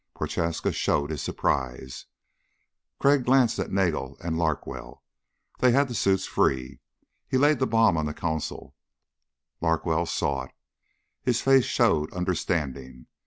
Prochaska showed his surprise. Crag glanced at Nagel and Larkwell. They had the suits free. He laid the bomb on the console. Larkwell saw it. His face showed understanding.